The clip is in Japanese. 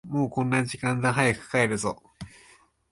もうこんな時間だ、早く帰るぞ。